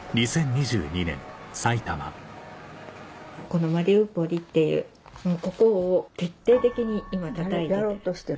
このマリウポリっていうここを徹底的に今たたいてて。